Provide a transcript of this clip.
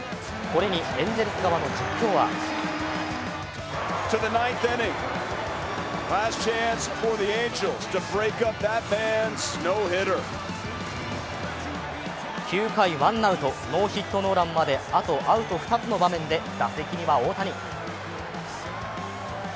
これにエンゼルス側の実況は９回ワンアウトノーヒットノーランまであとアウト２つの場面で打席には大谷。